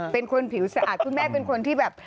เป็นคนผิวสะอาดคุณแม่เป็นคนที่แบบ